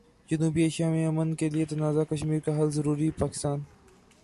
جنوبی ایشیا میں امن کیلئے تنازع کشمیر کا حل ضروری، پاکستان